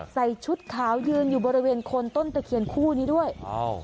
ใส่ชุดขาวยืนอยู่บริเวณคนต้นตะเคียนคู่นี้ด้วยอ้าว